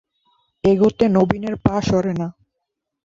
এগোতে নবীনের পা সরে না।